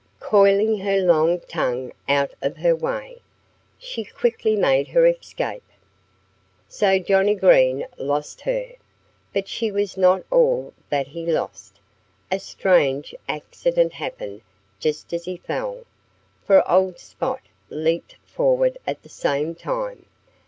Coiling her long tongue out of her way, she quickly made her escape. So Johnnie Green lost her. But she was not all that he lost. A strange accident happened just as he fell, for old dog Spot leaped forward at the same time.